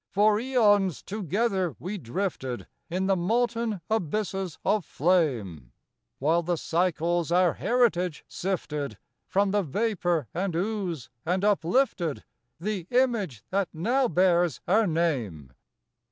For aeons together we drifted In the molten abysses of flame, While the Cycles our heritage sifted From the vapor and ooze, and uplifted The image that now bears our name.